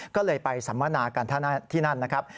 ก็เลยไปสัมมนากันที่นั่นนะครับ